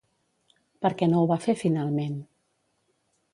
Per què no ho va fer finalment?